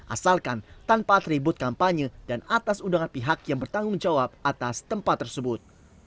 asalkan tanpa atribut kampanye dan atas undangan pihak yang bertanggung jawab atas tempat tersebut